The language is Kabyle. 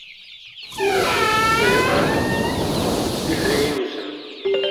Ur asen-sseḥfayeɣ tiferyin-nsen.